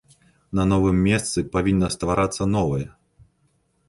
На новым месцы павінна стварацца новае.